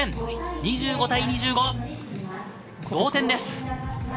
２５対２５、同点です。